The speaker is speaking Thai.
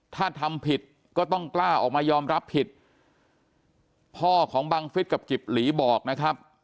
ถ้าทำผิดก็ต้องกล้าออกมายอมรับผิดพ่อของบังฟิศกับกิบหลีบอกนะครับ